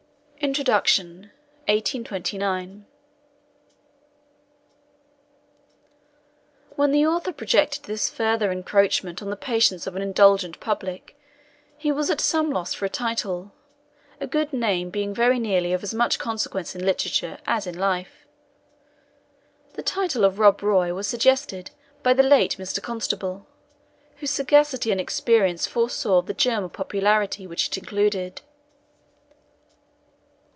INTRODUCTION (1829) When the author projected this further encroachment on the patience of an indulgent public, he was at some loss for a title; a good name being very nearly of as much consequence in literature as in life. The title of Rob Roy was suggested by the late Mr. Constable, whose sagacity and experience foresaw the germ of popularity which it included.